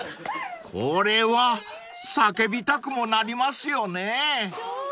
［これは叫びたくもなりますよね］